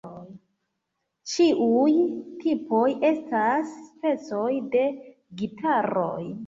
Ĉiuj tipoj estas specoj de gitaroj.